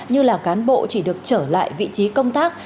như là cán bộ chỉ được trở lại vị trí công tác